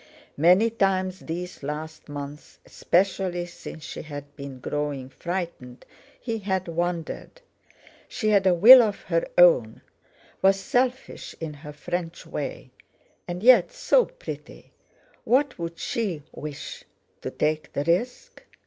Many times these last months, especially since she had been growing frightened, he had wondered. She had a will of her own, was selfish in her French way. And yet—so pretty! What would she wish—to take the risk.